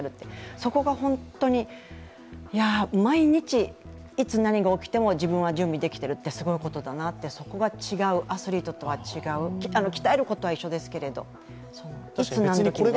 そこが本当に、毎日いつ何が起きても自分は準備できてるってすごいことだなってそこがアスリートとは違う鍛えることは一緒ですけれども、いつ何時って。